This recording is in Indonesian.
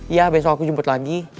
ya besok aku jemput lagi